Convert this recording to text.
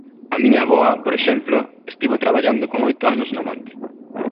A miña avoa, por exemplo, estivo traballando con oito anos no monte.